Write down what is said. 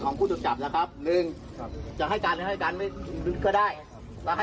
ตอนเข้าไปล้อมนี่นะ